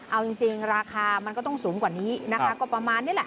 เอาจริงราคามันก็ต้องสูงกว่านี้นะคะก็ประมาณนี้แหละ